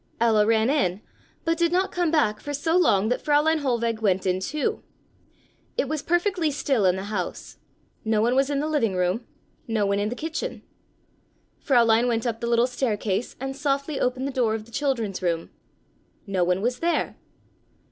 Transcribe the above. Ella ran in, but did not come back for so long that Fräulein Hohlweg went in too. It was perfectly still in the house. No one was in the living room, no one in the kitchen! Fräulein went up the little staircase and softly opened the door of the children's room. No one was there!